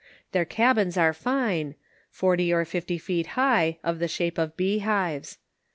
Their cabins are fine, forty or fifty feet high, of the shape of bee hives.